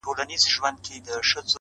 o له دغي لويي وچي وځم،